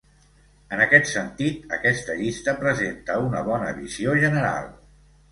En aquest sentit aquesta llista presenta una bona visió general.